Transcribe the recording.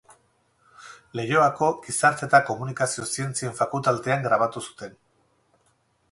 Leioako Gizarte eta Komunikazio Zientzien Fakultatean grabatu zuten.